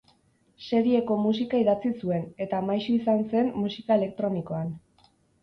Serieko musika idatzi zuen, eta maisu izan zen musika elektronikoan.